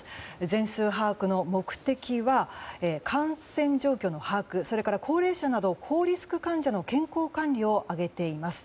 全数把握の目的は感染状況の把握それから高齢者など高リスク患者の健康管理を挙げています。